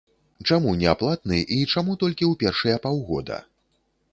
Чаму неаплатны і чаму толькі ў першыя паўгода?